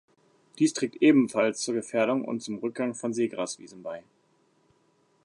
Dies trägt ebenfalls zur Gefährdung und zum Rückgang von Seegraswiesen bei.